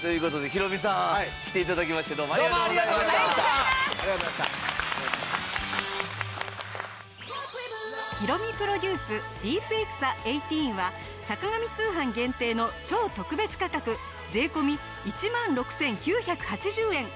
ヒロミプロデュースディープエクサ１８は『坂上通販』限定の超特別価格税込１万６９８０円。